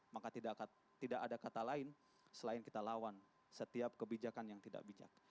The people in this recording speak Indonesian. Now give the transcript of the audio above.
maka tidak ada kata lain selain kita lawan setiap kebijakan yang tidak bijak